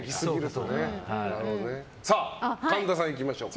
神田さん、いきましょうか。